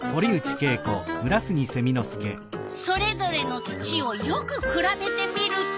それぞれの土をよくくらべてみると。